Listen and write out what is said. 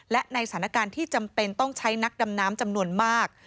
และในสถานการณ์ที่จำเป็นต้องใช้นักดำน้ำจำนวนมาก